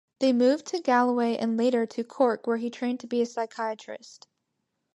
They moved to Galway and later to Cork where he trained as a psychiatrist.